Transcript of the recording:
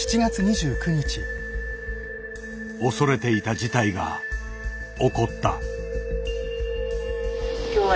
恐れていた事態が起こった。